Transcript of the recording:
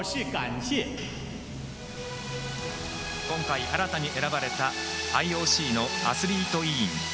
今回新たに選ばれたＩＯＣのアスリート委員。